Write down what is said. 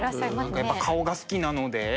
やっぱ顔が好きなので。